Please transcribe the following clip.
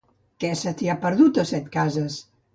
Què se t'hi ha perdut, a Setcases?